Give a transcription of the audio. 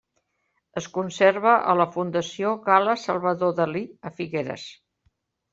Es conserva a la Fundació Gala-Salvador Dalí, a Figueres.